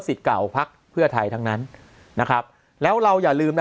เก่าพักเพื่อไทยทั้งนั้นนะครับแล้วเราอย่าลืมนะ